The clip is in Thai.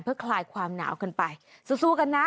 เพื่อคลายความหนาวกันไปสู้กันนะ